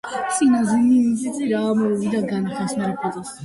ფინურში ამ ასოს გამოიყენებენ მხოლოდ უცხოურ სიტყვებში.